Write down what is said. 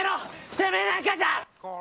てめえなんかじゃ。